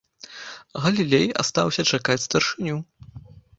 Галілей астаўся чакаць старшыню.